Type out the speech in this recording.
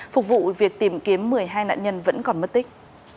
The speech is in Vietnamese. phục vụ việc tìm kiếm một mươi hai nạn nhân vẫn còn mất tích